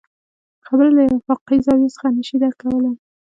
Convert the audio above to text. خبرې له افاقي زاويو څخه نه شي درک کولی.